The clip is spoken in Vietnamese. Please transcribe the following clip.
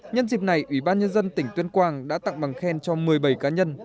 nhân dịp này ủy ban nhân dân tỉnh tuyên quang đã tặng bằng khen cho một mươi bảy cá nhân